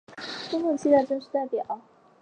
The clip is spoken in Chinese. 中共七大正式代表。